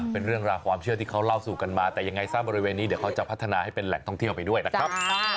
เป็นเรื่องราวความเชื่อที่เขาเล่าสู่กันมาแต่ยังไงซะบริเวณนี้เดี๋ยวเขาจะพัฒนาให้เป็นแหล่งท่องเที่ยวไปด้วยนะครับ